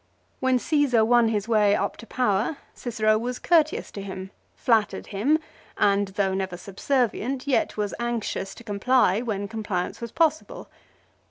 When Caesar won his way up to power Cicero was courteous to him, flattered him j and, though never subservient, yet was anxious to comply when compliance was possible.